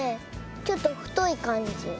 ちょっとふといかんじ。